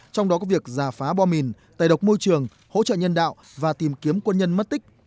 trong đó có việc giả phá bom mìn tẩy độc môi trường hỗ trợ nhân đạo và tìm kiếm quân nhân mất tích